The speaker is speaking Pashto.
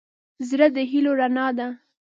زړه د هيلو رڼا ده.